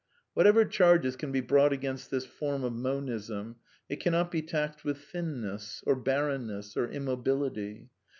Whatever charges can be brought against this form of Monism, it cannot be taxed with "thinness," or barren ness, or immobility.